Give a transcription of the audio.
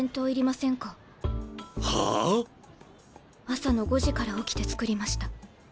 朝の５時から起きて作りました。